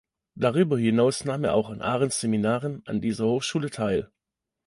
Darüber hinaus nahm er auch an Arendts Seminaren an dieser Hochschule teil.